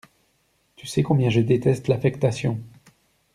Tu sais combien je déteste l'affectation.